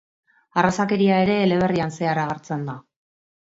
Arrazakeria ere eleberrian zehar agertzen da.